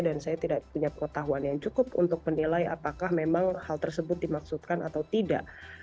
dan saya tidak punya pengetahuan yang cukup untuk menilai apakah memang hal tersebut dimaksudkan atau tidak